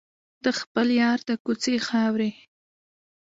د خپل یار د کوڅې خاورې.